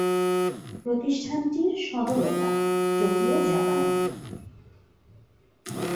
প্রতিষ্ঠানটির সদর ওটা, টোকিও, জাপানে।